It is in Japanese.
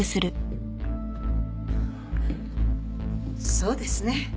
そうですね。